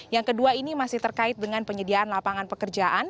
yang kedua ini masih terkait dengan penyediaan lapangan pekerjaan